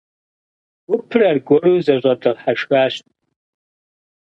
Гупыр аргуэру зэщӀэдыхьэшхащ.